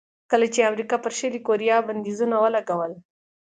کله چې امریکا پر شلي کوریا بندیزونه ولګول.